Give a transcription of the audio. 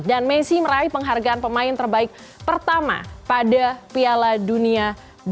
dan messi meraih penghargaan pemain terbaik pertama pada piala dunia dua ribu empat belas